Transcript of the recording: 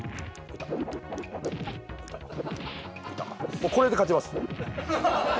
もうこれで勝ちます。